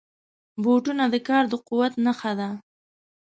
بوټونه د کار د قوت نښه ده.